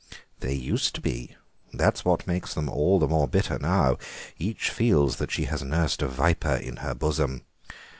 "They used to be; that's what makes them all the more bitter now. Each feels that she has nursed a viper in her bosom.